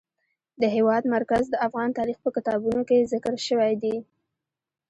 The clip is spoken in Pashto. د هېواد مرکز د افغان تاریخ په کتابونو کې ذکر شوی دي.